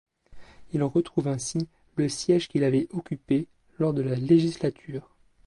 Il retrouve ainsi le siège qu'il avait occupé lors de la législature.